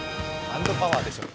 ハンドパワーでしょ。